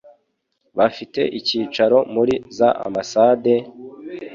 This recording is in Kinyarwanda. bafite icyicaro muri za ambasade,